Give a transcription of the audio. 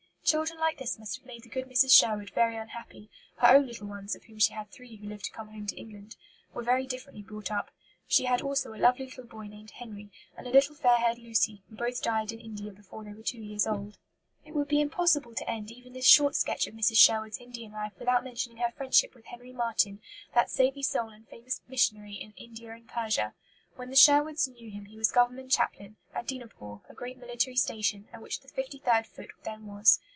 Children like this must have made the good Mrs. Sherwood very unhappy; her own little ones of whom she had three who lived to come home to England were very differently brought up. She had also a lovely little boy named Henry, and a little fair haired Lucy, who both died in India before they were two years old. It would be impossible to end even this short sketch of Mrs. Sherwood's Indian life without mentioning her friendship with Henry Martyn, that saintly soul and famous missionary in India and Persia. When the Sherwoods knew him he was Government chaplain at Dinapore, a great military station, at which the 53rd Foot then was.